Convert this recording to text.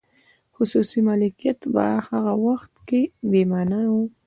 خصوصي مالکیت په هغه وخت کې بې مانا و.